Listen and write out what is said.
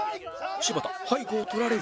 柴田背後を取られる